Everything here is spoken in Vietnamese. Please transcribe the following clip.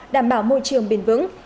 đảm bảo môi trường bền vững